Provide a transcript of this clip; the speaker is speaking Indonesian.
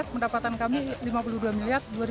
dua ribu enam belas pendapatan kami lima puluh dua miliar